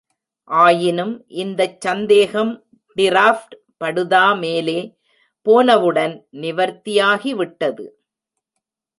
ஆயினும், இந்தச் சந்தேகம் டிராப் படுதா மேலே போனவுடன், நிவர்த்தியாகிவிட்டது.